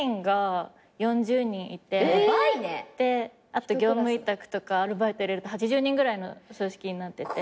あと業務委託とかアルバイト入れると８０人ぐらいの組織になってて。